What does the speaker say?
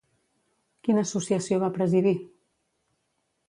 Quina associació va presidir?